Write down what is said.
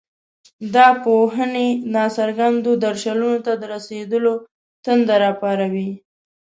دا پوهنې ناڅرګندو درشلونو ته د رسېدلو تنده راپاروي.